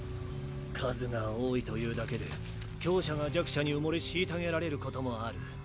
数が多いというだけで強者が弱者に埋もれ虐げられることもある。